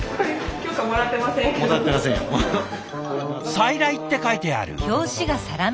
「再来」って書いてある。